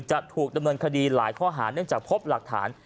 จะถูกดำเนินคดีหลายข้อหาเนื่องจากพบหลักฐาน